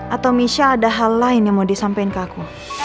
atau michelle ada hal lain yang mau disampaikan ke aku